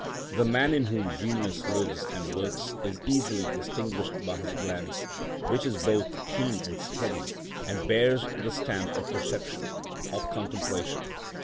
The man in whom genius lives and works is easily distinguished by his glance, which is both keen and steady, and bears the stamp of perception, of contemplation.